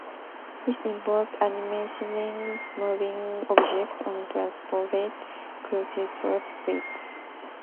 This involved animating moving objects on transparent celluloid sheets.